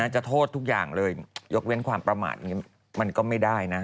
จะโทษทุกอย่างเลยยกเว้นความประมาทอย่างนี้มันก็ไม่ได้นะ